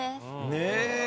ねえ。